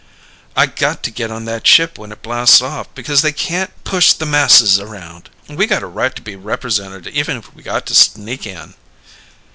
"I got to get on that ship when it blasts off because they can't push the masses around! We got a right to be represented even if we got to sneak in!"